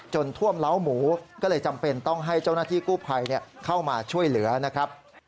ท่วมเล้าหมูก็เลยจำเป็นต้องให้เจ้าหน้าที่กู้ภัยเข้ามาช่วยเหลือนะครับ